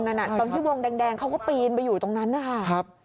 ตอนที่วงแดงเขาก็ปีนไปอยู่ตรงนั้นนะคะ